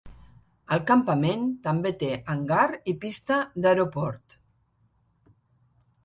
El campament també té hangar i pista d'aeroport.